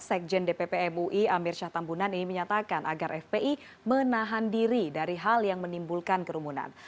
sekjen dpp mui amir syah tambunan ini menyatakan agar fpi menahan diri dari hal yang menimbulkan kerumunan